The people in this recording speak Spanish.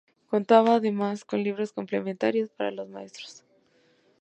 Contaba además con libros complementarios para los maestros.